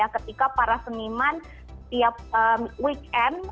ketika para seniman tiap weekend